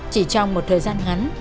chỉ trong một thời gian ngắn